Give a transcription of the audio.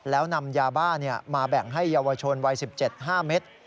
แล้วนำยาบ้ามาแบ่งให้เยาวชนวัย๑๗๕เมตร